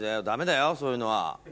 ダメだよそういうのは。